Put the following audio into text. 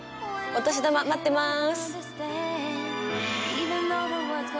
お年玉待ってます！